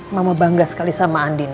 mama bangga sekali sama andin